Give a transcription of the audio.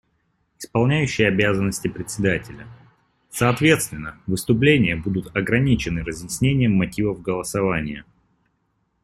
Исполняющий обязанности Председателя: Соответственно, выступления будут ограничены разъяснением мотивов голосования.